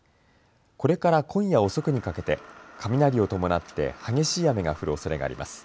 これから今夜遅くにかけて雷を伴って激しい雨が降るおそれがあります。